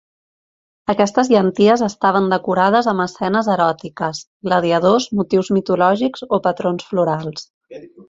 Aquestes llànties estaven decorades amb escenes eròtiques, gladiadors, motius mitològics o patrons florals.